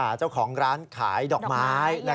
เจ้าของร้านขายดอกไม้นะครับ